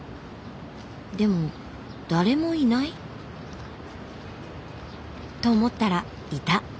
でも誰もいない？と思ったらいた。